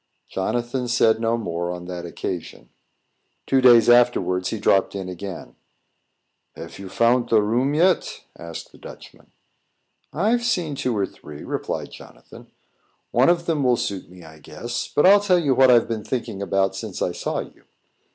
Jonathan said no more on that occasion. Two days afterwards, he dropped in again. "Have you fount a room yet?" asked the Dutchman. "I've seen two or three," replied Jonathan. "One of them will suit me, I guess. But I'll tell you what I've been thinking about since I saw you.